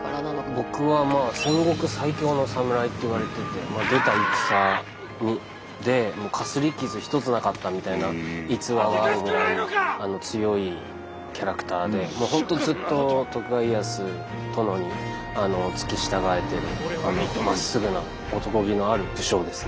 僕は戦国最強のサムライっていわれてて出た戦でかすり傷一つなかったみたいな逸話があるぐらい強いキャラクターで本当ずっと徳川家康殿に付き従えてるまっすぐな男気のある武将ですね。